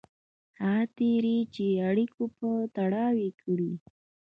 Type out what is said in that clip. هغه تېري چې اړیکو په تړاو یې کړي.